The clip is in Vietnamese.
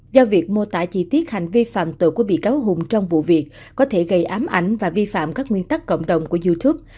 do việc mô tả chi tiết hành vi phạm tội của bị cáo hùng trong vụ việc có thể gây ám ảnh và vi phạm các nguyên tắc cộng đồng của youtube